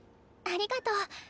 ありがとう。